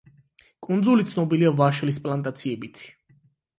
კუნძული ცნობილია ვაშლის პლანტაციებით.